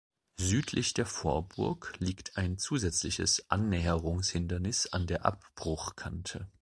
Südlich der Vorburg liegt ein zusätzliches Annäherungshindernis an der Abbruchkante.